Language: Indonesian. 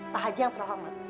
pak haji yang terhormat